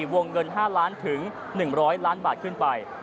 วงเงิน๕ล้านถึง๑๐๐ล้านบาทขึ้นไป